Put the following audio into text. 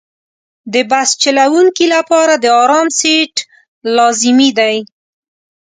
د بس چلوونکي لپاره د آرام سیټ لازمي دی.